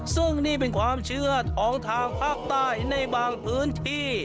ซึ่งนี่เป็นความเชื่อของทางภาคใต้ในบางพื้นที่